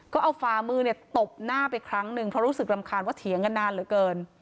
ก็เอาฝามือเนี่ยตบหน้าไปครั้งหนึ่งเพราะรู้สึกรำคาญว่าเถียงกันนานเหลือเกิน